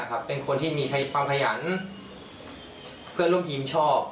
ดีมากเป็นคนที่มีความพยานเพื่อนร่วมพยี่มชอบ